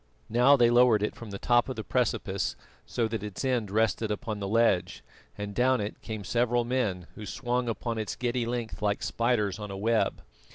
Now they lowered it from the top of the precipice so that its end rested upon the ledge, and down it came several men, who swung upon its giddy length like spiders on a web.